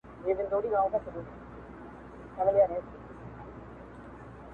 څو تر څو به دوې هواوي او یو بام وي-